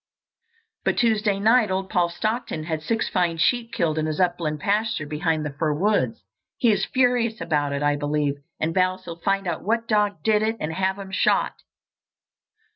But Tuesday night old Paul Stockton had six fine sheep killed in his upland pasture behind the fir woods. He is furious about it, I believe, and vows he'll find out what dog did it and have him shot."